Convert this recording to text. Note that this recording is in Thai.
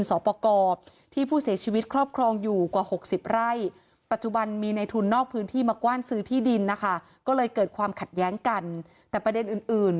สอบประกอบที่ผู้เสียชีวิตครอบครองอยู่กว่า๖๐ไร่ปัจจุบันมีในทุนนอกพื้นที่มากว้านซื้อที่ดินนะคะก็เลยเกิดความขัดแย้งกันแต่ประเด็นอื่นอื่น